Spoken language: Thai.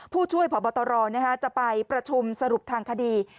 ผู้ช่วยพบตรจะไปประชุมสรุปทางคดี